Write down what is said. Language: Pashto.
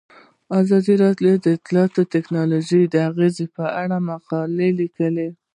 ازادي راډیو د اطلاعاتی تکنالوژي د اغیزو په اړه مقالو لیکلي.